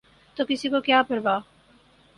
تو کسی کو کیا پروا؟